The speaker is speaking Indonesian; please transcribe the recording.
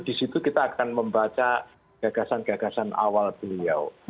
disitu kita akan membaca gagasan gagasan awal beliau